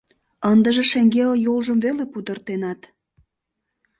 — Ындыже шеҥгел йолжым веле пудыртенат...